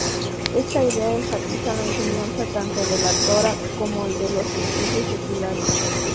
Esta idea enfatiza la enseñanza tanto de la Torá como de los estudios seculares.